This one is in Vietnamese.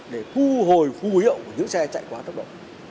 để thu hồi phù hữu của những xe chạy quá tốc độ